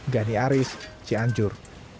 gani aris cianjur